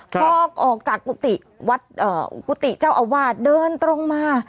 พอออกจากกุฏิวัดกุฏิเจ้าอาวาสเดินตรงมา